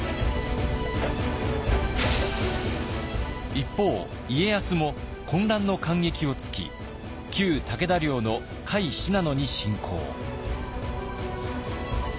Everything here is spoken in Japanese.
一方家康も混乱の間隙をつき旧武田領の甲斐・信濃に侵攻。